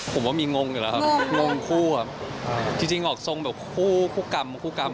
ผมว่ามีงงอยู่แล้วครับงงคู่อะจริงออกทรงแบบคู่กรรมมากกว่า